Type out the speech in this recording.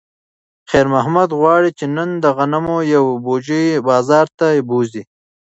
خیر محمد غواړي چې نن د غنمو یوه بوجۍ بازار ته بوځي.